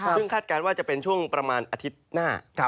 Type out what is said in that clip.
ซึ่งคาดการณ์ว่าจะเป็นช่วงประมาณอาทิตย์หน้า